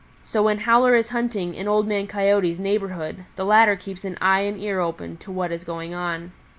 So when Howler is hunting in Old Man Coyote's neighbor hood, the latter keeps an eye and ear open to what is going on.